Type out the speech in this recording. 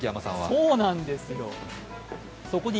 そうなんですよ。